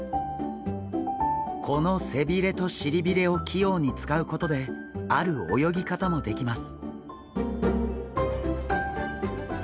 この背びれとしりびれを器用に使うことである泳ぎ方もできます。